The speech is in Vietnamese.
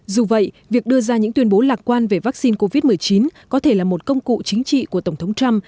dù vậy việc đưa ra những tuyên bố lạc quan về vaccine covid một mươi chín có thể là một công cụ chính trị của tổng thống trump